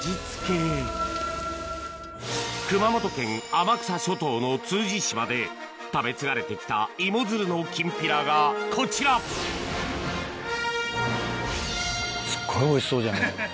天草諸島食べ継がれてきた芋づるのきんぴらがこちらすっごいおいしそうじゃない？